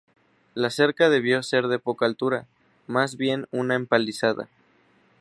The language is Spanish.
La cerca debió ser de poca altura, más bien una empalizada.